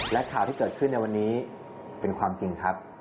และข่าวที่เกิดขึ้นในวันนี้เป็นความจริงครับ